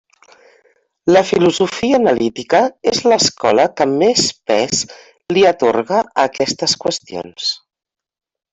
La filosofia analítica és l'escola que més pes li atorga a aquestes qüestions.